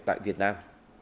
tại việt nam